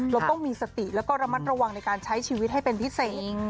เราต้องมีสติแล้วก็ระมัดระวังในการใช้ชีวิตให้เป็นพิเศษ